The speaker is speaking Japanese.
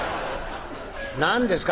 何ですか？